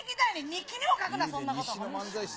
日記にも書くな、そんなこと。